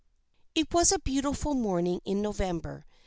It was a beautiful morning in November.